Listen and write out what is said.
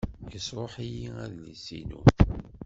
Yesṛuḥ-iyi adlis-inu.